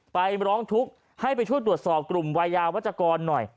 ร้องทุกข์ให้ไปช่วยตรวจสอบกลุ่มวัยยาวัชกรหน่อย